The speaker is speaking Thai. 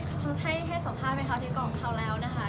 ก็อยากให้สัมภาษณ์เป็นเขาที่กล่องเขาแล้วนะคะ